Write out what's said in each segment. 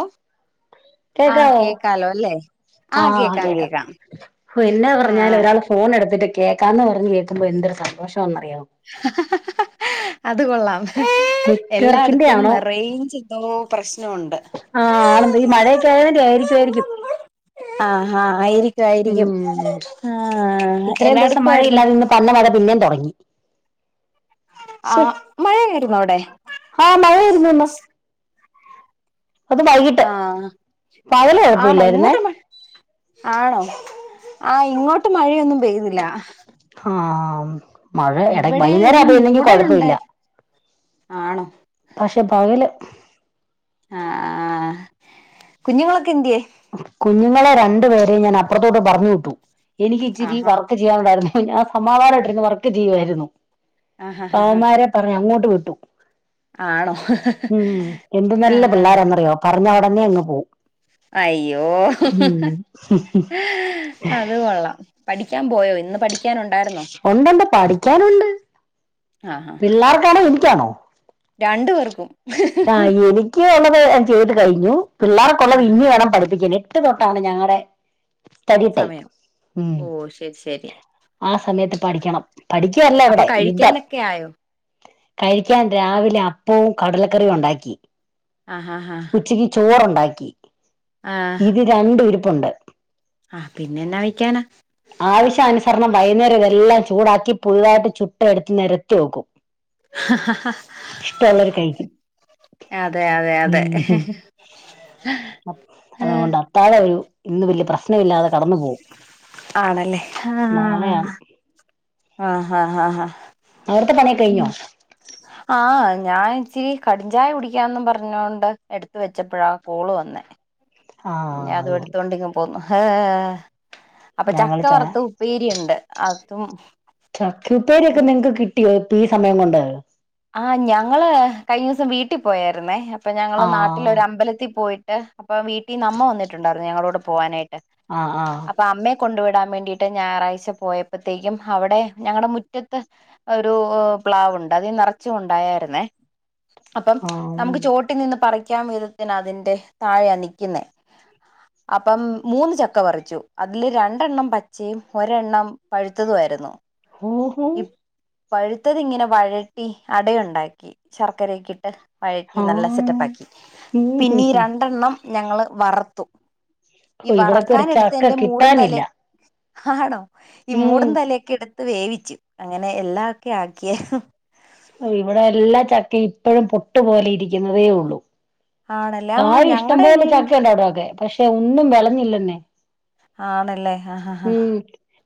ഒഹ് [inaudible] കേക്കാവോ? ആഹ് കേക്കാം. ഹൊ എന്നാ ആ പറഞ്ഞാലും ഒരാള് ഫോണെടുത്തിട്ട് കേക്കാന്ന് പറഞ്ഞ് കേക്കുമ്പോ എന്തൊരു സന്തോഷവാന്നറിയാവോ. അത് കൊള്ളാം നെറ്റ്വർക്കിന്റെ എല്ലാടത്തും ആണോ റെയിഞ്ച് ന്തോ പ്രശ്നൊ ഒണ്ട് ആഹ് ആളെന്ത് ഈ മഴക്കെ ആയതിന്റെ ആയിരിക്കുവായിരിക്കും. ആഹാ ആയിരി ക്കു ആയിരിക്കും. ഉം ആഹ് ഇത്രയും ദിവസം എന്നാടുക്കുവാരുന്നു? മഴയില്ലാതെ ഇന്ന് പന്ന മഴ പിന്നേം തൊടങ്ങി. ആഹ് മഴയായിരുന്നോവിടെ? ഹാ മഴരുന്നല്ലോ വൈകിട്ട് ആഹ് പകല് ആണൊ കുഴപ്പമില്ലായിരുന്നേ ഇങ്ങോട്ടു മഴ ആണൊ ആഹ് ഇങ്ങോട്ട് മഴയൊന്നും പെയ്യുന്നില്ല. ഹാം മഴ എട ഇവിടെ വൈന്നേരാ ഒരു പെയ്യുന്നെങ്കിൽ കൊഴപ്പവില്ല. മൂടലുണ്ടായിരുന്നു ആണോ പക്ഷേ പകല് ആഹ് ആഹ് കുഞ്ഞുങ്ങളൊക്കെന്ത്യേ? കുഞ്ഞുങ്ങളെ രണ്ടുപേരെയും ഞാനപ്പുറത്തോട്ട് പറഞ്ഞുവിട്ടു. എനിക്കിച്ചിരി ആഹാ വർ ചെയാനുണ്ടായിരുന്നു ആഹ് സമാധാനായിട്ടിരുന്നു വർക്ക് ചെയ്യായിരുന്നു ആഹാ അനേര പറഞ്ഞ് അങ്ങോട്ട് വിട്ടു ആണോ ഉം എന്ത് നല്ല ആഹ് ആഹ് പിള്ളോരെന്നറിയോ പറഞ്ഞ ഉടനെ അങ്ങ് പോവും അയ്യോ ഉം അത് കൊള്ളാം പഠിക്കാൻ പോയോ ഇന്ന് പഠിക്ക ഉണ്ടണ്ട് പഠിക്കാനുണ്ട് ആഹ് ആഹ് പിള്ളേർക്കാണോ എനിക്കാണോ രണ്ടു പേർക്കും എനിക്കുള്ളത് ഞാൻ ചെയ്ത് കഴിഞ്ഞു പിള്ളേർക്കുള്ളത് ആഹ് ഇനി വേണം പതിപ്പിക്കാൻ എട്ട് തൊട്ടാണ് ഞങ്ങളുടെ സ്റ്റഡി ടൈം സമയം ഉം ഓ ശരി ശരി ആ സമയത്ത് പഠിക്കണം പഠിക്കുവല്ല അപ്പൊ ഇവിടെ യുദ്ധം കഴിക്കാനൊക്കെ ആയോ കഴിക്കാൻ രാവിലെ അപ്പവും കടലക്കറിയും ഉണ്ടാക്കി ആഹ് ആഹ് ആഹ് ഉച്ചക്ക് ചോറുണ്ടാക്കി ആഹ് ഇത് രണ്ടും ഇരിപ്പുണ്ട് ആഹ് പിന്നെ എന്നാ വേക്കാന ആവശ്യാനുസരണം വൈകുന്നേരം എല്ലാം ചൂടാക്കി പുതുതായിട്ട് ചുട്ട് എടുത്ത് നിരത്തി വെക്കും ആഹ് ഇഷ്ടമുള്ളവര് കഴിക്കും അതെ അതെ അതെ ഉം ആഹ് നാളെ ഒരു ഇന്ന് വലിയ പ്രശ്നമില്ലാതെ കടന്നു പോകവും ആണല്ലേ നാളെയാണ് ആഹ് ആഹ് ആഹ് ആഹ് അവിടുത്തെ പണിയൊക്കെ ഉം കഴിഞ്ഞോ ആഹ് ഞാൻ ഇച്ചിരി കടിഞ്ചായ കുടിക്കാന്ന് പറഞ്ഞോണ്ട് എടുത്ത വെച്ചപ്പോഴാ കോള് വന്നേ ആ പിന്നെ അതും അതുപോലെ എടുത്തോണ്ട് പോന്നു ഏഹ് അപ്പൊ ഞങ്ങൾ ചക്ക ച വറുത്ത് ഉപ്പേരിയുണ്ട് അതും ചക്കുപ്പേരിയൊക്കെ നിങ്ങക്ക് കിട്ടിയോ ഇപ്പൊ ഈ സമയം കൊണ്ട് ആഹ് ഞങ്ങള് കഴിഞ്ഞ ദിവസം വീട്ടിൽ പോയായിരുന്നേ അപ്പൊ ഞങ്ങള് ആ നാട്ടില് ഒരു അമ്പലത്തിൽ പോയിട്ട് അപ്പൊ വീട്ടിൽ അമ്മ വന്നിട്ടുണ്ടായിരുന്നു ഞങ്ങളോടെ പോവാനായിട്ട് ആ ആ അപ്പൊ അമ്മ കൊണ്ട് വിടാൻ വേണ്ടിട്ട് ഞായറാഴ്ച പോയപ്പോഴത്തേക്കും അവിടെ ഞങ്ങളുടെ മുറ്റത്ത് ഒരു പ്ലാവുണ്ട് അത് നിറ നിറച്ചുംഉണ്ടായിരുന്നേ അപ്പം ആ നമുക്ക് ചുവട്ടിൽ നിന്ന് പറിക്കാൻ വിധ അതിന്റെ താഴെയാണ് നിൽക്കുന്ന അപ്പം മൂന്ന് ചക്ക പറിച്ചു അതിൽ രണ്ടെണ്ണം പച്ചയും ഒരെണ്ണം പഴുത്തതുമായിരുന്നു ഈ [unintelligible] പഴുത്തത് ഇങ്ങനെ വഴട്ടി അടയുണ്ടാക്കി ശർക്കരയൊക്കെ ഇട്ട് വ ഴറ്റി ആ നല്ല സെറ്റപ്പ് ഉം ആക്കി ഹും പിന്നീട് ഹും. രണ്ടെണ്ണം ഞങ്ങൾ വറത്തു ഓ ഈ ഇവിടൊക്കെ ഒരു വറക്കാൻ ചക്ക എടുത്തതിൻ്റെ മൂടും തലേ കിട്ടാനില്ല ആണോ ഈ ഉം മൂടും തലൊക്കെ എടുത്ത് വേവിച്ചു അങ്ങനെ എല്ലാം ഒക്കെ ആക്കിയ ഇവിടെ എല്ലാ ചക്കയും ഇപ്പോഴും പൊട്ടുപോലെ ഇരിക്കുന്നതേ ഉള്ളൂ ആണല്ലേ ആ താഴെ ഇഷ്ടം ഞങ്ങടെ പോലെ വീടിന്റെ ചക്കയുണ്ട് അവിടെ ഒക്കെ പക്ഷെ ഒന്നും വിളഞ്ഞില്ലന്നെ ആണല്ലേ ആഹ് ആഹ്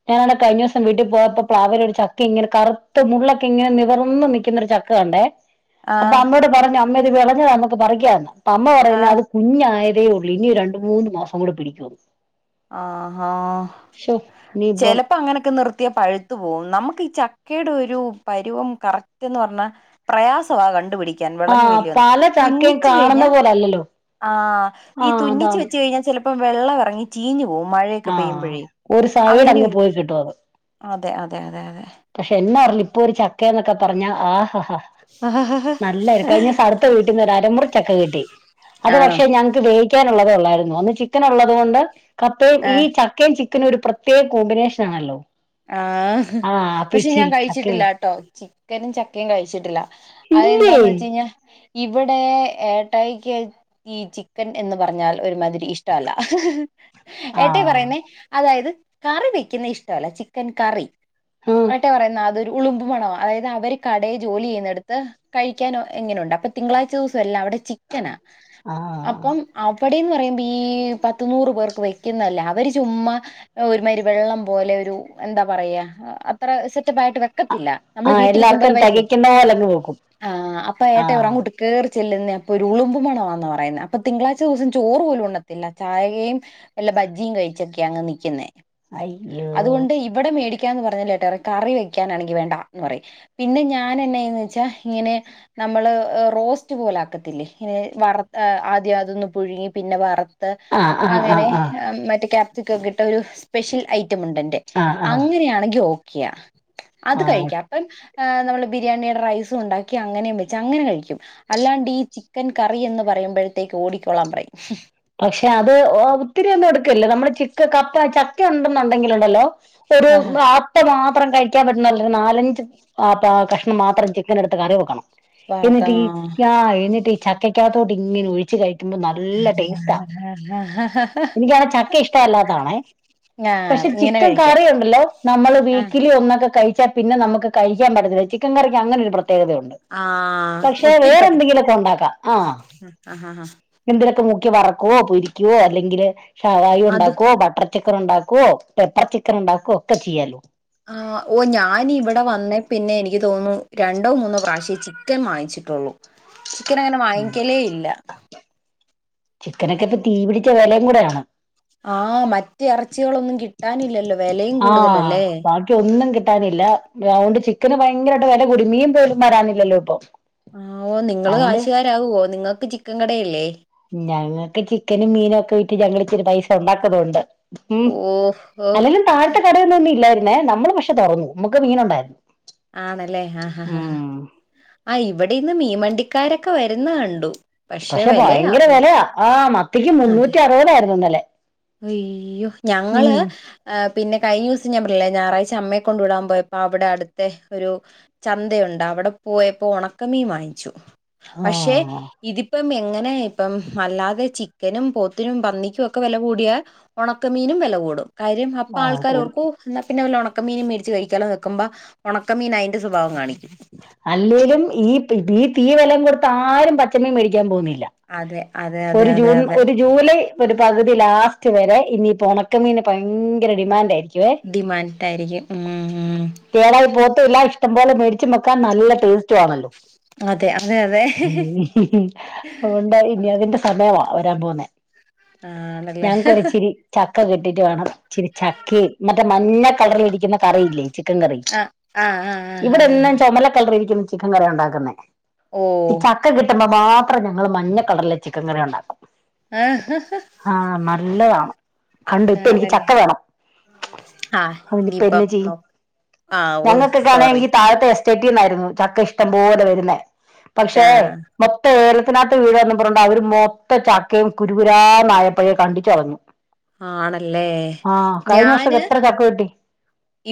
ഞാനാവിടെ കഴിഞ്ഞ ദിവസം വീട്ടിൽ പോയപ്പോ പ്ലാവിൽ ഒരു ചക്ക ഇങ്ങനെ കറുത്ത മുള്ളൊക്കെ ഇങ്ങനെ നിവർന്ന് നിക്കുന്ന ചക്ക കണ്ടേ ആ ആ അപ്പൊ അമ്മയോട് പറഞ്ഞു അമ്മ ഇത് വിളഞ്ഞത് നമുക്ക് പറിക്കന്ന് അപ്പൊ അമ്മ ആ പറയുന്നത് അത് ആ കുഞ്ഞായതേ ഉള്ളൂ ഇനിയും രണ്ട് മൂന്ന് മാസം കൂടെ പിടിക്കുന് ആഹാ ഇനിയിപ്പം ചെലപ്പ അങ്ങനക്ക നിർത്തിയ പഴു ത്ത് പോവും നമുക്ക് ഈ ചക്കെടെ ഒരു പരുവം കറക്റ്റ് എന്ന് പർഞ്ഞാ പ്രയാസവാ കണ്ടുപിടി ക്യാൻ വെളഞ്ഞു ആഹ് വെര്ല്യോന്ന്. പല ചക്കയും തുന്നിച് കഴിഞ്ഞ കാണുന്ന പോലല്ലല്ലോ ആ ഈ ആഹ് തുന്നിച്ച് അതാണ് വെച്ച് കഴിഞ്ഞാ ചെലപ്പം വെള്ളം എറങ്ങി ചീഞ് പോവും. മഴക്ക പെയ്യുമ്പഴേ. ഒര് സൈട് അങ്ങ് പോയി കിട്ടു. അത് അതെ അതെ അതെ അതെ പക്ഷെ എന്നാ പർലി ഇപ്പൊ ഒരു ചക്കെന്നക്ക പറഞ്ഞാ ആ ഹ ഹ നല്ലായിരി കഴിഞീസ അട് ത്ത വീട്ട്ന്ന് ഒരു അരമുറി ചക്ക കിട്ടി. അത് ആണോ പക്ഷെ ഞങ്ങക്ക് വെവി ക്ക്യാന് ഉള്ളത് അല്ലായിരുന്നു അന്ന് ചിക്കന് ഉള്ളത് കൊണ്ട് കപ്പയും ഈ ആഹ് ച ക്കയും ചിക്കന് ഒരു പ്രത്യേക കോമ്പിനേഷന് ആണല്ലോ. ആ ആഹ് അപ്പൊ പക്ഷെ ഞാൻ ഇച്ചിരി ചക്ക കഴിച്ചിട്ടില്ല വേവിച്ചു കേട്ടോ ചിക്കനും ചക്കയും കഴിച്ചിട്ടില്ല. അത് ഇല്ലേ എന്താന്ന് വെച് കഴിഞ്ഞാ ഇവടെ ഏട്ടായിക്ക്. ഈ ചിക്കൻ എന്ന് പറഞ്ഞാൽ ഒരുമാതിരി ഇഷ്ടവല്ല. ഏട്ടായി ആഹ് പറയുന്നെ അതായത് കറി വെക്ക്ന്നെ ഇഷ്ടല്ല ചിക്കൻ കറി. ഉം ഏട്ടായി പറയുന്ന അതൊരു ഉളുമ്പ് മണവാ അതായത് അവര് കടെ ജോലി ചെയ്യ്ന്നട്ത്ത്. കഴിക്കാനോ എങ്ങനെ ഉണ്ട് അപ്പ തിങ്കളാഴ്ച ദിവസം എല്ലാ അവടെ ചിക്കനാ ആഹ് അപ്പം. അവടെന്ന് പറയുമ്പ ഈ പത്ത് നൂറ് പേർക്ക് വെക്കുന്നല്ലേ. അവര് ചുമ്മാ ഒരു മായിരി വെള്ളം പോലെ ഒരു എന്താ പറയാ അത്ര സെറ്റപ്പ് ആയിട്ട്. വെ ക്കത്തില്ല നമ്മള് ആഹ് വീട്ടി എല്ലാർക്കും വെക്കുമ്പോലെ വര്ല്ല തികയ്ക്കുന്ന പോലങ്ങ് വെക്കും ആ അപ്പ ഏട്ടയി പറ ആഹ് അങ്ങോട്ട് കെറി ചെല്ലുന്നെ അപ്പൊ ഒരു ഉളുമ്പ് മണവാന്നാ പറയുന്ന അപ്പ തിങ്കളാഴ്ച ദിവസം ചോറ് പോലും ഉണ്ണത്തില്ല. ചായെം വല്ല ബജ്ജിയും കഴിച്ചൊക്കെയ അങ്ങ് നിക്കുന്നേ അയ്യോ അതുകൊണ്ട്. ഇവടെ മേടിക്കാന്ന് പറഞ്ഞാൽ ഏട്ടായി പറയും കറി വെക്ക്യാനാണെങ്കി വേണ്ട ന്ന് പറയും. പിന്നെ ഞാന എന്നാ ചെയ്യും ന്ന് വെച്ചാ ഇങ്ങനെ നമ്മള് റോസ്റ്റ് പോല ആക്കത്തില്ലേ ഇങ്ങനെ വറ ആദ്യ അതൊന്നു പുഴുങ്ങി. പിന്നെ വറ ത് ആഹ് ആഹ് അങ്ങനെ ആഹ് ആഹ് മറ്റേ ക്യാപ്സിക്കൊക്കെ ഇട്ട് ഒരു സ്പെഷ്യൽ ഐറ്റം ഉണ്ട്. എന്റെ. ആഹ് ആഹ് യാണെങ്കി ഓക്കിയ അത് ആഹ് കഴിക്യാം. ഇപ്പം നമ്മള് ബിരിയാണി റൈസു ഉണ്ടാക്കി അങ്ങനേം വെച്ച് അങ്ങനെ കഴിക്കും. അല്ലാണ്ട് ഈ ചിക്കൻ കറി എന്ന് പറയുമ്പഴത്തേക്ക് ഓടിക്കൊള്ളാം പറയും. പക്ഷെ അത് ഒത്തിരി ഒന്നും എടുക്കല്ല. നമ്മള് ചിക്ക കപ്പ ചക്ക ഉണ്ടെന്നുണ്ടെങ്കിലു ഉണ്ടല്ലോ. ഒരു ആഹാ ആ മാത്രം കഴിക്ക്യാം പറ്റുന്ന ഒര് നാലഞ്ച് ക കഷ്ണം മാത്രം ചിക്കൻ എടുത്ത് കറി വെക്കണം. വറക്ക എന്നിട്ട് ഈ ആ എന്നിട്ട് ഇ ചക്കക്കകത്തോട്ട് ഇങ്ങനെ ഒഴിച്ച് കഴിക്കുമ്പോ ന [unintelligible] എനിക്കാണെ ചക്ക ഇഷ്ടവല്ലാന്നാണെ ആ പക്ഷെ ഇങ്ങനെ ചിക്കൻ കഴിക്കാ കറി ഉണ്ടല്ലോ നമ്മള് ആ വീക്കിലി. ഒന്നൊക്ക കഴിച്ചാ പിന്നെ നമുക്ക് കഴിക്യാം പറ്റത്തില്ല. ചിക്കൻ കറിക്ക് അങ്ങനൊരു പ്രത്യേകതയുണ്ട്. ആഹ് പക്ഷെ ഒത്തിരി വേറെ പറ്റത്തി എന്തെങ്കിലോക്ക ഉണ്ടാക്കാ. ആ ആഹ് ആഹ് എന്തിലൊക്ക മുക്കി വറക്കൊ പൊരിക്യോ അല്ലെങ്കില് ഷാവായ അത് ഉണ്ടാക്കോ ബട്ടർ ചിക്കന് ഉണ്ടാക്കോ, പെപ്പർ ചിക്കന് ഉണ്ടാക്കോ, ഒക്ക ചെയ്യാലോ. ആ ഓ ഞാന് ഇവട വന്നേ പിന്നെ എനിക്ക് തോന്നുന്നു രണ്ടോ മൂന്നോ പ്രാവശ്യം ചിക്കൻ വാങ്ങിച്ചിട്ടൊള്ളൂ. ചിക്കന് അങ്ങനെ വാങ്ങിക്യലേ ഇല്ല. ചിക്കനൊക്കെ ഇപ്പ തീ പിടിച്ച വെലയും കൂടെയാണ് ആ മറ്റോ എർച്ചികളൊന്നും കിട്ടാനില്ലല്ലോ. വെലയും ആ കൂടുതലല്ലേ പ ഒന്നും കിട്ടാനില്ല തൗണ്ട് ചിക്കന് ഭയങ്കരായിട്ട് വെല കൂടി. മീൻ പോലും വരാനില്ലല്ലോ ഇപ്പൊ ആഹ് ഓഹ് നിങ്ങള് അതുകൊണ്ട് കാശ്കാരാവോ നിങ്ങൾക്ക് ചിക്കൻ കടയില്ലേ. ഞങ്ങക്ക് ചിക്കനും മീനും ഒക്കെ വിറ്റ് ഞങ്ങള് ഇച്ചിരി പൈസ ഉണ്ടാക്കുന്നുണ്ട്. ഉം ഓഹ് ഓഹ് അല്ലേലും താഴ്ത്ത കടയൊന്നും ഒന്നും ഇല്ലായ്രുന്നേ നമ്മള് പക്ഷെ തൊറന്നു. നമുക്ക് മീന് ഉണ്ടായിര്ന്നു. ആണല്ലേ ആഹ് ആഹ് ഇവിടെ ഇന്ന് മീൻവണ്ടിക്കാരൊക്കെ വരുന്ന കണ്ടു. പക്ഷെ ഭയങ്കര വെലയാ ആഹ് മത്തിക്ക് അതെ മുന്നൂറ്റി അറുവതായിര്ന്നുന്നലെ അയ്യോ ഞങ്ങള് പിന്നെ കഴിഞ്ഞൂസം ഞാൻ പർഞ്ഞില്ലേ ഞായറാഴ്ച അമ്മയെ കൊണ്ട് വിടാൻ പോയപ്പൊ അവിടെ അടു ത്ത് ഒരു ചന്തയുണ്ട് അവിടെ പോയപ്പോ ഒണക്കമീ വാങ്ങിച്ചു പക്ഷേ ആഹ് ഇതിപ്പം എങ്ങനെ ഇപ്പം അല്ലാതെ ചിക്കനും പോത്തിനും പന്നിക്കും ഒക്കെ വെല കൂടിയാ ഒണക്കമീനും വെല കൂടും. കാര്യം അപ്പ ആഹ് ആൾക്കാര് കൂടും ഓർക്കും ന്നാ പിന്നെ വല്ല ഒണക്കമീനും മേട്ച്ച് കഴിക്കാല്ലോന്നെക്കുമ്പ ഒണക്കമീൻ അയിന്റെ സ്വഭാവം കാണിക്കും അല്ലേലും ഈ ഈ തീ വെലേം കൊടുത്ത് ആരും പച്ചമീ മേടിക്കാൻ പോന്നില്ല അതെ അതെ അതെ ഒരു അതെ ജൂൺ അതെ ഒര് ജൂലൈ ഒരു പകുതി ലാസ്റ്റ് വരെ ഇനിപ്പൊ ഒണക്കമീന് ഭയങ്കര ഡിമാൻഡ് ആയിരിക്കും ഡിമാൻഡായിരിക്കും ഉം ഉം കേടായി പോത്തുല്ല ഇഷ്ടം പോലെ മേടിച്ചും വെക്കാം നല്ല ടേസ്റ്റു ആണല്ലോ അതെ അതെ അതെ ഉം അതുകൊണ്ട് ഇനി അതിന്റെ സമയവാ വരാൻ പോവുന്നേ ആണല്ലേ ഞങ്ങ്ക്കൊരിച്ചിരി ചക്ക കിട്ടിട്ട് വേണം ഇച്ചിരി ചക്കേം മറ്റേ മഞ്ഞ കളറ്ല് ഇരിക്കുന്ന കറിയില്ലേ ചിക്കൻ കറി ആഹ് ആഹ് ആഹ് ആഹ് ആഹ് ചൊമലക്കളറിയിരിക്കുന്ന ചിക്കൻ കറിയാ ഉണ്ടാക്കുന്നെ ഓഹ് ഈ ചക്ക കിട്ടുമ്പൊ മാത്രം ഞങ്ങള് മഞ്ഞ കളർലെ ചിക്കൻ കറി ഉണ്ടാക്കും ആ, ആഹ് നല്ലതാണ് കണ്ടൊ ഇപ്പ എനിക്ക് ആണല്ലേ ചക്ക വേണം ആ അയ്ന് ഇപ്പന്നെ ഇനിയിപ്പം നോ ചെയ്യും ആ ഓ ഞങ്ങൊക്കെ സോറി ആണെങ്കി താഴത്തെ ചെട്ടിന്നായിരുന്നു ചക്ക ഇഷ്ടംപോലെ വരുന്നേ പക്ഷേ കിട്ടാ മൊത്തം ഏലത്തിനാത്ത് വീഴോന്ന് പറോണ്ട് അവര് മൊത്ത ചക്കയും കുരുകുരാന്നായപ്പയെ കണ്ടിച്ച് കളഞ് ആണല്ലേ ആഹ് കഴിഞ്ഞ ഞാൻ വർഷക്കെ എത്ര ചക്ക കിട്ടി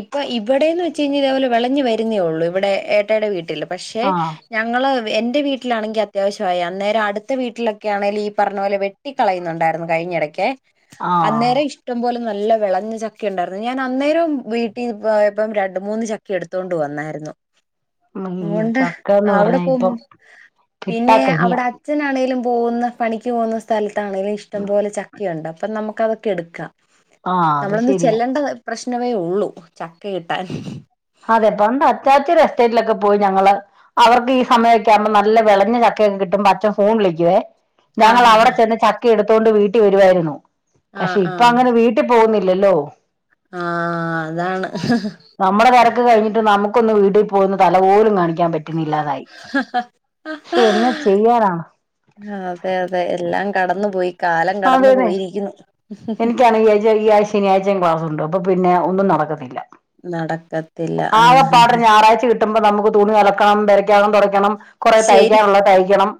ഇപ്പൊ ഇവിടേന്ന് വെച്ച് കഴിഞ്ഞാൽ ഇതേപോലെ വെളഞ്ഞു വരുന്നേള്ളൂ ഇവിടെ ഏട്ടായിടെ വീട്ടില് പക്ഷെ ആഹ് ഞങ്ങള് എന്റെ വീട്ടിലാണെങ്കി അത്യാവശ്യമായി. അന്നേരം അടുത്ത വീട്ട്ലൊക്കെ ആണെല് ഈ പറഞ്ഞ പോലെ വെ ട്ടിക്കളയുന്നുണ്ടായിരുന്നു കഴിഞ്ഞെടക്കെ ആഹ് അന്നേരം ഇഷ്ടം പോലെ നല്ല വെളഞ്ഞ ചക്ക ഉണ്ടായിരുന്നു. ഞാൻ അന്നേരം വീട്ടീ പോയപ്പം രണ്ട് മൂന്ന് ചക്ക എടുത്തോണ്ട് വന്നായിരുന്നു ഈ പോണ്ട ചക്കന്ന് അവിടെ പറഞ്ഞാ പോമു ഇപ്പം പിന്നെ കിട്ടാക്കനിയാ അവിടെ അച്ഛനാണെങ്കിലും പോകുന്ന പണിക്ക് പോകുന്ന സ്ഥൽത്താണേലും ഇഷ്ടം പോലെ ചക്കയുണ്ട് അപ്പം നമുക്കതൊക്കെ എടുക്കാം ആഹ് അത് നമ്മളൊന്ന് ശരിയാ ചെല്ലണ്ട പ്രശ്നമേ ഉള്ളൂ ചക്ക കിട്ടാൻ അതെ പ്പം [unintelligible] എസ്റ്റേറ്റിലൊക്കെ പോയി ഞങ്ങള് അവർക്ക് ഈ സമയംക്കെ ആവുമ്പോ നല്ല വെളഞ്ഞ ചക്കയൊക്കെ കിട്ടുമ്പം അച്ചൻ ഫോൺ വിളിക്കുവേ ആ ഞങ്ങള് ഹാ അവിടെ ഹാ ചെന്ന് ചക്ക എടുത്തോണ്ട് വീട്ടി വരുവായിരുന്നു. ആ പക്ഷെ ഇപ്പൊ ആ അങ്ങനെ വീ ട്ടി പോന്നില്ലല്ലോ ആഹ് അതാണ് നമ്മുടെ തെരക്ക് കഴിഞ്ഞിട്ട് നമുക്കൊന്ന് വീട്ടിൽ പോയിട്ട് തല പോലും കാണിക്കാൻ പറ്റു ന്നില്ലാന്ന് ആയി ശേ എന്ന ചെയ്യാനാ ആഹ് അതെ അതെ എല്ലാം കടന്നു പോയി കാലം കടന്നു പോയിരിക്കുന്നു എനിക്കാണെ ഈ ഈ ആഴ്ച ശനിയാഴ്ചയും ക്ലാസ് ഉണ്ട് അപ്പൊ പിന്നെ ഒന്നും നടക്കത്തില്ല നടക്കത്തില്ല ആഹ് ആ കിട്ടുമ്പ നമുക്ക് തുണി അലക്കണം, പെരക് അകം തുടയ്ക്കണം, കുറേ ശരി തയ്ക്കാനുള്ള തയ്ക്കണം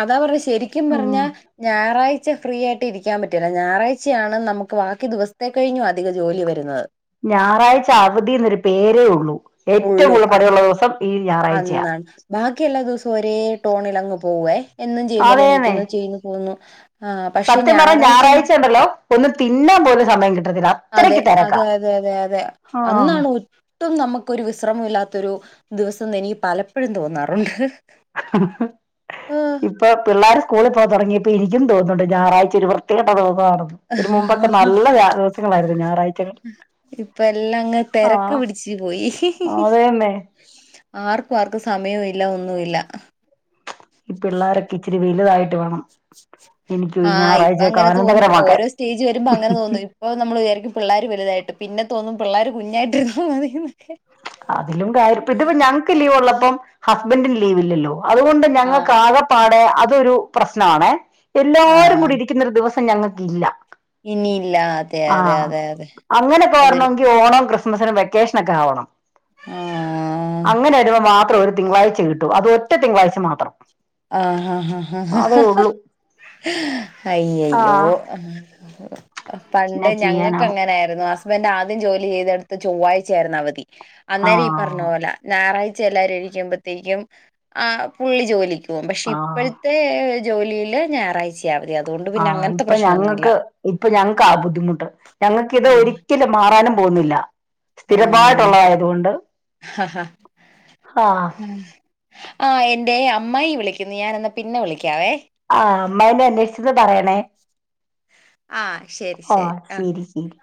അതാ പറഞ്ഞെ ശരിക്കും പറഞ്ഞാ ഉം ഞായറാഴ്ച ഫ്രീ ആയിട്ട് ഇരിക്കാൻ പറ്റുല്ല ഞായറാഴ്ചയാണ് നമുക്ക് ബാക്കി ദിവസ ത്തെ കഴിഞ്ഞു അധികം ജോലി വരുന്നത് ഞായറാഴ്ച അവധി എന്നൊരു പേരേ ഉള്ളൂ ഏറ്റവും ഉള്ളൂ കൂടുതൽ അത് പണിയുള്ള ദിവസം ഈ ഞായറാഴ്ചയ അന്നാണ് ബാക്കി എല്ലാ ദിവസവും ഒരേ ടോണിലങ്ങ് പോവുഎ എന്നും ചെയ്യുമ്പോലെ അതേന്നെ എണീക്കുന്നു ചെയ്യന്ന് തോന്നുന്നു സത്യം പറഞ്ഞ ഞായറാഴ്ച ഉണ്ടല്ലോ ഒന്നും തിന്നാൻ പോലും സമയം കിട്ടു അതെ അതെ അതെ അതെ അതെ ആ അന്നാണ് ഒട്ടും നമക്കൊരു വിശ്രമം ഇല്ലാത്തൊരു ദിവസം എന്ന് എനിക്ക് പലപ്പോഴും തോന്നാറുണ്ട് ഇ ഇപ്പൊ പിള്ളേർ സ്കൂളിൽ പോയ് തുടങ്ങിയപ്പോ എനിക്കും തോന്നുന്നുണ്ട് ഞായറാഴ്ച ഒരു വൃത്തികെട്ട ദിവസണ് ന്ന് ഇതിന് മുമ്പൊക്കെ ആഹ് നല്ല വ്യാ ദിവസങ്ങളായിരുന്നു ഞായറാഴ്ചകൾ ഇപ്പോ എല്ലാം അങ്ങ് ആ തിരക്ക് പിടിച് പോയി അതേന്നെ ആർക്കും ആർക്കും സമയവും ഇല്ല ഒന്നും ഇല്ല പിള്ളോരൊക്കെ ഇച്ചിരി വലുതായിട്ട് വേണം എനിക്ക് ഈ ആഹ് ഇപ്പോ ഞായറാഴ്ചയൊക്കെ അങ്ങനെ തോന്നും ആനന്ദകരമാക്കാൻ ഓരോ സ്റ്റേജ് വരുമ്പോ അങ്ങനെ തോന്നു ഇപ്പൊ നമ്മൾ വിചാരിക്കും പിള്ളോര് വലുതായിട്ട്, പിന്നെ തോന്നും പിള്ളാര് കുഞ്ഞയിട്ടിരുന്ന മതിന്നൊക്കെ അതിലും കാര്യം ഇതിപൊ ഞങ്ങക്ക് ലീവ് ഉള്ളപ്പം ഹസ്ബൻറിന് ലീവ് ഇല്ലല്ലോ അതുകൊണ്ട്ന്നെ ആഹ് ഞങ്ങൾക്ക് ആകെപ്പാടെ അതൊരു പ്രശ്നമാണെ എല്ലാവാരും ആഹ് കൂടി ഇരിക്കുന്ന ഒരു ദിവസം ഞങ്ങൾക്ക് ഇല്ല ഇനിയില്ല അതെ അതെ അതെ അതെ അതൊരു ഈ ഓണം ക്രിസ്മസിന് വെക്കേഷനൊക്കെ ആവണം ആഹ് അങ്ങനെ വരുമ്പോൾ മാത്രം ഒരു തിങ്കളാഴ്ച കിട്ടൂ. അതും ഒറ്റ തിങ്കളാഴ്ച മാത്രം ആഹ്ഹാ അതേ ഉള്ളൂ അയ്യാ അയ്യോ ആഹ് പണ്ട് എന്നാ ഞങ്ങൾക്ക് ചെയ്യാനാവും അങ്ങനെ ആയിരുന്നു ഹസ്ബൻറ് ആദ്യം ജോലി ചെയ്തെടുത്ത് ചൊവ്വാഴ്ച ആയിരുന്നു അവധി അന്നേം ഈ പറഞ്ഞ ആഹ് പറഞ്ഞപൊല ഞായറാഴ്ച എല്ലരും ഇണീരിക്കുമ്പോഴത്തേക്കും പുള്ളി ജോലിക്ക് പോകും പക്ഷെ ഇപ്പോഴ ആഹ് ത്തെ ജോലിയിൽ ഞായറാഴ്ച ആഹ് ഇപ്പൊ ഞങ്ങക്ക് ഇപ്പൊ ഞങ്ങക്ക് ആ ബുദ്ധിമുട്ട് ഞങ്ങൾക്ക്ത് ആ ഒ ഒരിക്കലും മാറാനും പോകുന്നില്ല സ്ഥിരമായിട്ടുള്ളതായതുകൊണ്ട് ആഹ് ഹാ ആഹ് മം ആഹ് എൻറെ അമ്മായി വിളിക്കുന്നു ഞാനൊന്ന് പിന്നെ വിളിക്കാവേ ആഹ് അമ്മായിനെ അന്വേഷിച്ചന്ന് പറയണേ ആ ശരി ആഹ് ആ ശരി ശരി